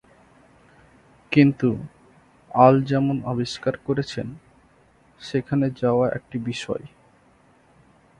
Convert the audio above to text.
কিন্তু, আল যেমন আবিষ্কার করেছেন, সেখানে যাওয়া একটি বিষয়।